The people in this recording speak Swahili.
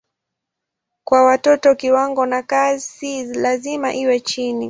Kwa watoto kiwango na kasi lazima iwe chini.